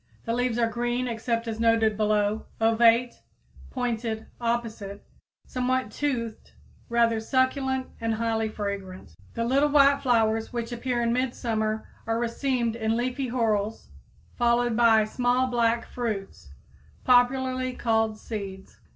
The leaves are green, except as noted below, ovate, pointed, opposite, somewhat toothed, rather succulent and highly fragrant. The little white flowers which appear in midsummer are racemed in leafy whorls, followed by small black fruits, popularly called seeds.